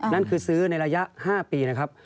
นั่นคือซื้อในระยะ๕ปีนะครับ